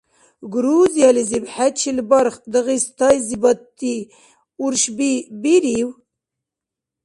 Грузиялизиб хӀечил барх Дагъистайзибадти уршби бирив?